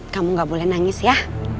kamu gak boleh nangis ya